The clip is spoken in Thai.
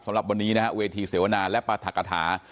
สำหรับวันนี้นะฮะเวทีเสวนาและปรัฐกฐา